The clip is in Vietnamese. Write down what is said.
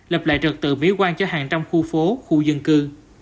lập lại trật tự mỹ quan cho hàng trăm khu phố khu dân cư